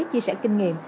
chia sẻ kinh nghiệm